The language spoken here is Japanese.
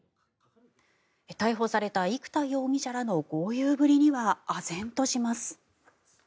逮捕された生田容疑者らの豪遊ぶりにはあぜんとします。